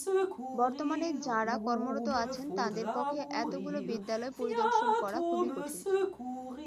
বর্তমানে যাঁরা কর্মরত আছেন, তাঁদের পক্ষে এতগুলো বিদ্যালয় পরিদর্শন করা খুবই কঠিন।